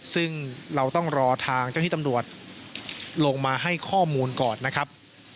ซึ่งเราต้องรอทางเจ้าที่ตำรวจลงมาให้ข้อมูลก่อนนะครับ